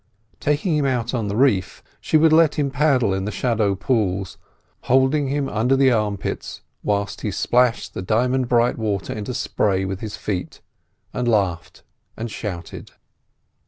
Taking him out on the reef, she would let him paddle in the shallow pools, holding him under the armpits whilst he splashed the diamond bright water into spray with his feet, and laughed and shouted.